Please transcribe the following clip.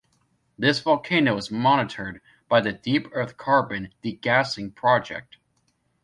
This volcano is monitored by the Deep Earth Carbon Degassing Project.